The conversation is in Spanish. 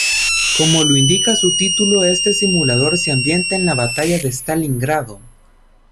Como lo indica su título este simulador se ambienta en la Batalla de Stalingrado.